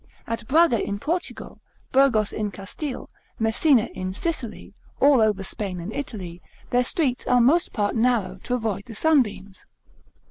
At Braga in Portugal; Burgos in Castile; Messina in Sicily, all over Spain and Italy, their streets are most part narrow, to avoid the sunbeams.